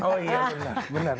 oh iya benar benar